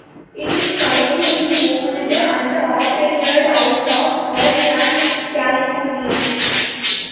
It is collectively owned and operated out of Oakland, California.